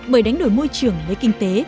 bởi đánh đổi môi trường với kinh tế